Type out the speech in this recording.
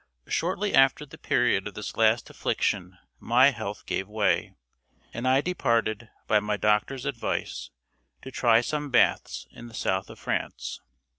Shortly after the period of this last affliction my health gave way, and I departed, by my doctor's advice, to try some baths in the south of France.